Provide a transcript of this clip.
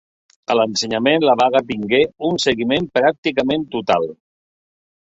A l'ensenyament la vaga tingué un seguiment pràcticament total.